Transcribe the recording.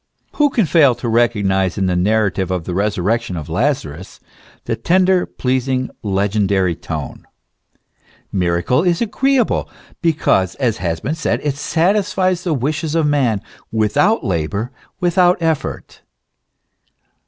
Who can fail to recognise in the narrative of the resurrection of Lazarus, the tender, pleasing, legendary tone?* Miracle is agreeable, because, as has been said, it satisfies the wishes of man without labour, without effort.